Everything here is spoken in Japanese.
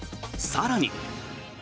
更に。